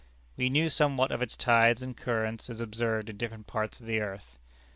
We knew somewhat of its tides and currents as observed in different parts of the earth.